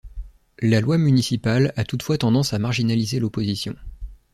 La loi municipale a toutefois tendance à marginaliser l'opposition.